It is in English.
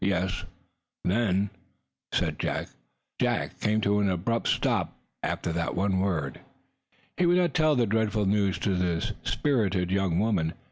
"Yes." "Then " Jack came to an abrupt stop after that one word. He would not tell the dreadful news to this spirited young woman.